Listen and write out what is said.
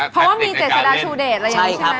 เพราะว่ามีเจษฎาชูเดชอะไรอย่างนี้ใช่ไหม